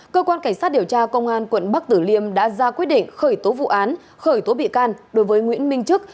cơ quan cảnh sát điều tra công an quận bắc tử liêm đã ra quyết định khởi tố vụ án khởi tố bị can đối với nguyễn minh chức